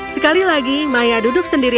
sekali lagi maya duduk sendiri